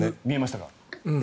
見えましたか？